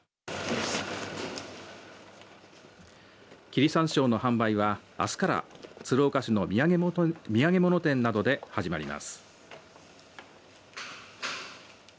切山椒の販売は、あすから鶴岡市の土産物店などで始まります。